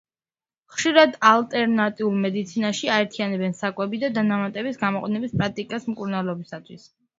ხშირად ალტერნატიულ მედიცინაში აერთიანებენ საკვები დანამატების გამოყენების პრაქტიკას მკურნალობისათვის.